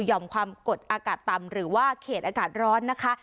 หอมความกดอากาศต่ำหรือว่าเขตอากาศร้อนนะคะ